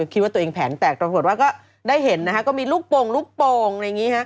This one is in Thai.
คิดว่าตัวเองแผนแตกตอนสุดก็ได้เห็นก็มีลูกโป่งลูกโป่ง